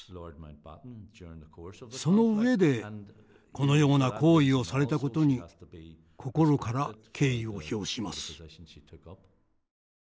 その上でこのような行為をされたことに心から敬意を表します。